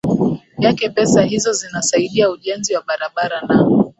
yake pesa hizo zinasaidia ujenzi wa barabara na